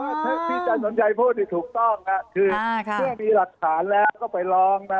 แต่ว่าที่อาจารย์สมชัยพูดถูกต้องค่ะคือเมื่อมีหลักฐานแล้วก็ไปลองนะ